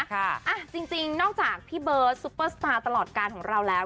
อ่ะจริงนอกจากพี่เบิร์ตซุปเปอร์สตาร์ตลอดการของเราแล้ว